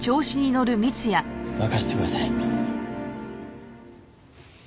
任せてください。